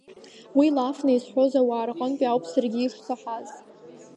Уи лафны изҳәоз ауаа рҟынтәи ауп саргьы ишсаҳаз.